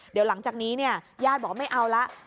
เดี๋ยวหลังจากนี้เนี่ยญาติบอกว่าไม่เอาละ